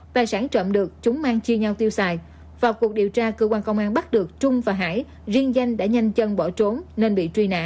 tài sản trộm được chúng mang chia nhau tiêu xài